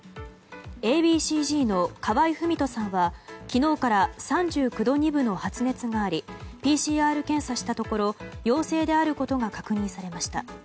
Ａ．Ｂ．Ｃ‐Ｚの河合郁人さんは昨日から３９度２分の発熱がありＰＣＲ検査したところ陽性であることが確認されました。